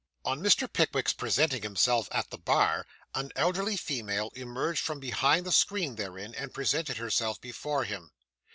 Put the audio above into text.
On Mr. Pickwick's presenting himself at the bar, an elderly female emerged from behind the screen therein, and presented herself before him.